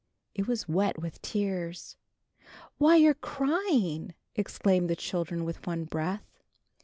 It was wet with tears. "Why, you're crying!" exclaimed the children with one breath.